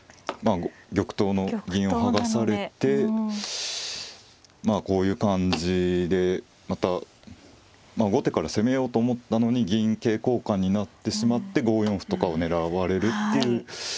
玉頭の銀を剥がされてこういう感じでまた後手から攻めようと思ったのに銀桂交換になってしまって５四歩とかを狙われるっていう。